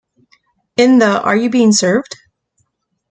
In the Are You Being Served?